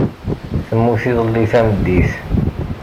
Temmut iḍelli tameddit.